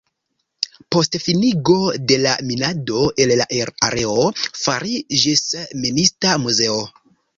Post finigo de la minado el la areo fariĝis Minista muzeo.